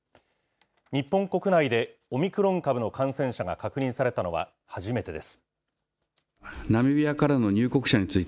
日本国内でオミクロン株の感染者が確認されたのは初めてです。